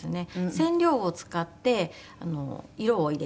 染料を使って色を入れています。